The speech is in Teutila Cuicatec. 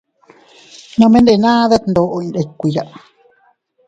Nome ndenaa detndoʼo iyndikuiya.